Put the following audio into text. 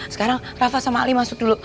sekarang rafa sama ali masuk dulu